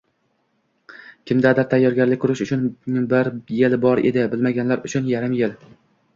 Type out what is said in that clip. Kimdadir tayyorgarlik ko‘rish uchun bir yil bor edi, bilmaganlar uchun — yarim yil.